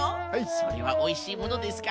それはおいしいものですか？